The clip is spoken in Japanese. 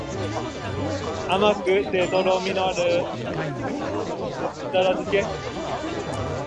甘くてとろみのあるべったら漬け